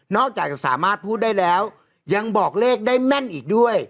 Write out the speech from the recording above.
อกจากจะสามารถพูดได้แล้วยังบอกเลขได้แม่นอีกด้วย